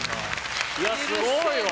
いやすごいわ！